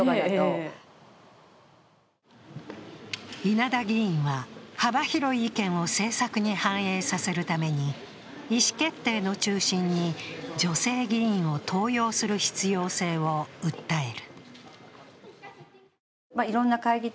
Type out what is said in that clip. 稲田議員は幅広い意見を政策に反映させるために意思決定の中心に女性議員を登用する必要性を訴える。